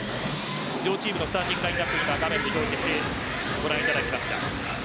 両チームのスターティングラインアップ画面に表示してご覧いただきました。